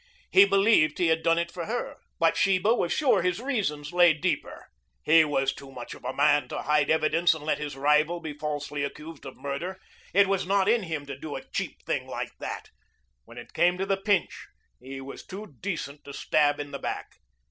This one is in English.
He believed he had done it for her, but Sheba was sure his reasons lay deeper. He was too much of a man to hide evidence and let his rival be falsely accused of murder. It was not in him to do a cheap thing like that. When it came to the pinch, he was too decent to stab in the back.